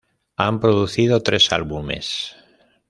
Han producido tres álbumes.